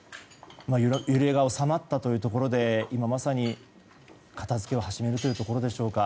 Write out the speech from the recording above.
揺れが収まったというところで今、まさに片付けを始めるというところでしょうか。